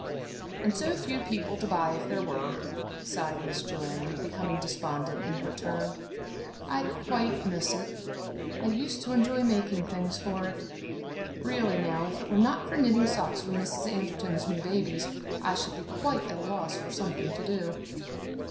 "And so few people to buy if there were," sighed Miss Joanna, becoming despondent in her turn. "I quite miss it I used to enjoy making things for it. Really now, if it were not for knitting socks for Mrs. Anderton's new babies, I should be quite at a loss for something to do."